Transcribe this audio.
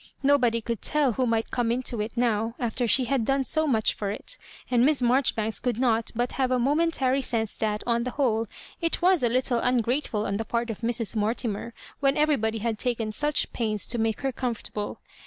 No body could tell who might come into it now, aCler she had done so much for it; and Miss Maijoribanks could not but have a momentary sense that, on the whole, it was a littie ungrate ful on the part of Mrs. Mortimer, when every body had taken such pains to make her com fortable.